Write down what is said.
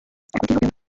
এখন কী হবে ওর?